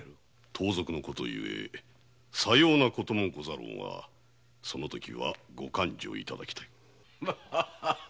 盗賊のことゆえさようなこともござろうがそのときはお許し願いたい。